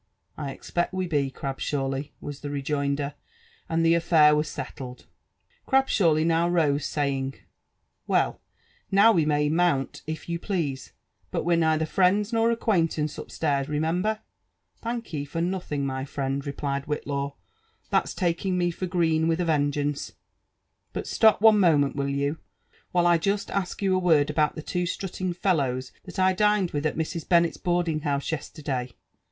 '*' I expect we be, Crabshawly/' was tbe rejoinder, and the affair was sellled. Crabshawly now rose, saying, Well, now we may mount if you please : but we're neither friends nor acquaintance upstairs, remember.'' •* Thank ye for nothing, my friend," replied Whillaw; that's taking me for green with a vengeance 1 But stop ohe moment, will you, while I jest ask you a word about two strutting fellows that I dined with at Mrs. Bennetts boarding house yesterday.